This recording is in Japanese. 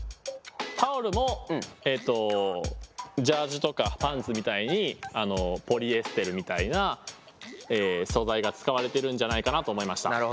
タオルもジャージとかパンツみたいにポリエステルみたいな素材が使われてるんじゃないかなと思いました。